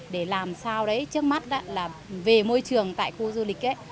để làm sao trước mắt về môi trường tại khu du lịch